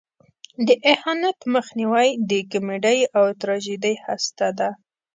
د اهانت مخنیوی د کمیډۍ او تراژیدۍ هسته ده.